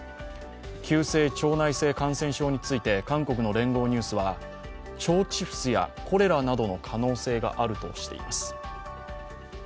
急性腸内性感染症について韓国の聯合ニュースは腸チフスやコレラなどの可能性があるとしています。